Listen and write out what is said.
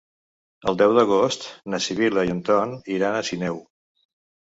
El deu d'agost na Sibil·la i en Ton iran a Sineu.